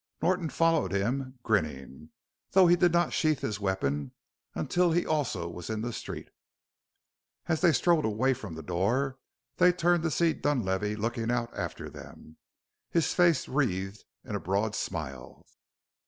Norton followed him, grinning, though he did not sheath his weapon until he also was in the street. As they strode away from the door they turned to see Dunlavey looking out after them, his face wreathed in a broad smile.